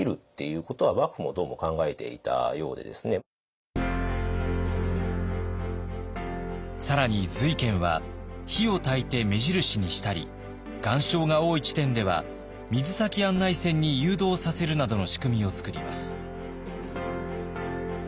調整力というか更に瑞賢は火をたいて目印にしたり岩礁が多い地点では水先案内船に誘導させるなどの仕組みを作ります。